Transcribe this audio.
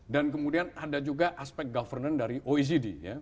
dan kemudian ada juga aspek governance dari oecd